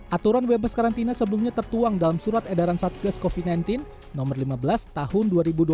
aturan bebas karantina sebelumnya tertuang dalam surat edaran satgas covid sembilan belas no lima belas tahun dua ribu dua puluh